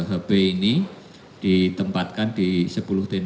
ditempatkan di ring satu yang ditempatkan di ring satu yang ditempatkan di ring satu